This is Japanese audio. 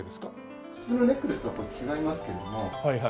普通のネックレスとは違いますけれども。